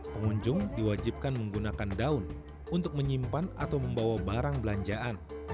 pengunjung diwajibkan menggunakan daun untuk menyimpan atau membawa barang belanjaan